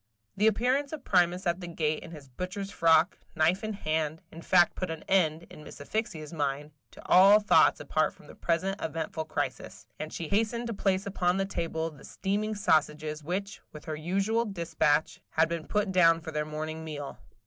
The appearance of Primus at the gate in his butcher's frock, knife in hand, in fact put an end, in Miss Asphyxia's mind, to all thoughts apart from the present eventful crisis; and she hastened to place upon the table the steaming sausages which, with her usual despatch, had been put down for their morning meal.